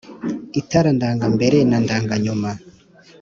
Itara ndanga mbere na ndanga nyuma